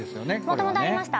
もともとありました